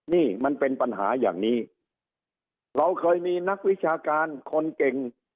นี่มันเป็นปัญหาอย่างนี้เราเคยมีนักวิชาการคนเก่ง